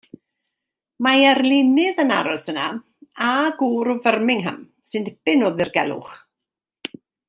Mae arlunydd yn aros yno a gŵr o Firmingham sy'n dipyn o ddirgelwch.